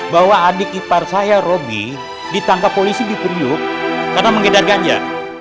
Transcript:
bahwa adik ipar saya roby ditangkap polisi di priuk karena mengedar ganjar